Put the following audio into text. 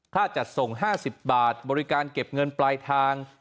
จัดส่ง๕๐บาทบริการเก็บเงินปลายทาง